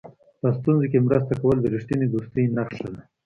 په ستونزو کې مرسته کول د رښتینې دوستۍ نښه ده.